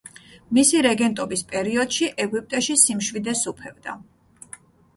მისი რეგენტობის პერიოდში ეგვიპტეში სიმშვიდე სუფევდა.